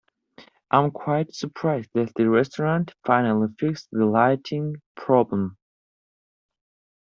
I am quite surprised that the restaurant finally fixed the lighting problem.